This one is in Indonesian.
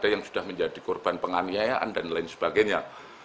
yang sudah menjadi korban penganiayaan dan lain sebagainya